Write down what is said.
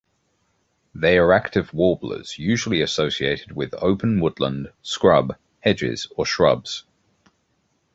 They are active warblers usually associated with open woodland, scrub, hedges or shrubs.